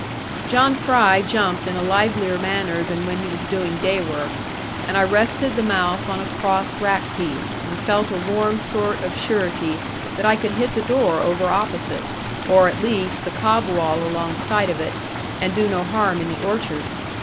John Fry jumped in a livelier manner than when he was doing day work; and I rested the mouth on a cross rack piece, and felt a warm sort of surety that I could hit the door over opposite, or, at least, the cobwall alongside of it, and do no harm in the orchard.